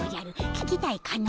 聞きたいかの？